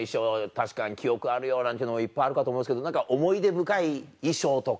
確かに記憶あるよなんていうのいっぱいあるかと思うんですけど何か思い出深い衣装とか。